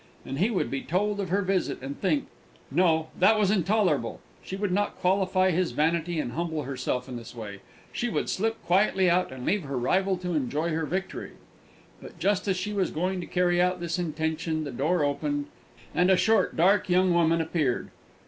And he would be told of her visit, and think No! that was intolerable: she would not gratify his vanity and humble herself in this way. She would slip quietly out, and leave her rival to enjoy her victory! But, just as she was going to carry out this intention, the door opened, and a short, dark young woman appeared.